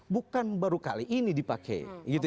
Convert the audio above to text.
bukan baru kali ini dipakai